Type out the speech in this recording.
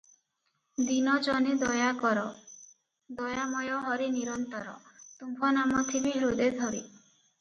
ଦୀନ ଜନେ ଦୟା କର ଦୟାମୟ ହରି ନିରନ୍ତର ତୁମ୍ଭ ନାମ ଥିବି ହୃଦେ ଧରି ।"